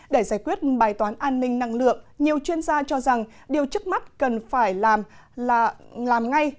để giải quyết bài toán an ninh năng lượng nhiều chuyên gia cho rằng điều trước mắt cần phải làm ngay